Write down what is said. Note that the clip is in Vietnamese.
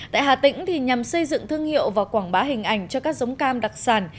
tại hà tĩnh nhằm xây dựng thương hiệu và quảng bá hình ảnh cho các giống cam đặc sản